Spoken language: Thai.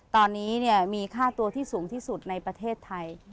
ตอนนี้มีค่าตัวที่สูงที่สุดในประเทศไทย